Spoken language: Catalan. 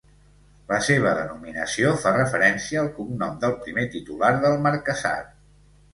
La seva denominació fa referència al cognom del primer titular del marquesat.